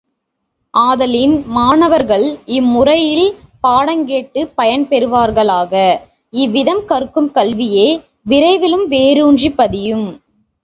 ஆதலின் மாணவர்கள் இம்முறையில் பாடங்கேட்டுப் பயன் பெறுவார்களாக, இவ்விதம் கற்கும் கல்வியே விரைவிலும் வேரூன்றிப் பதியும்.